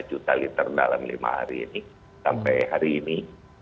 dua juta liter dalam lima hari ini sampai hari ini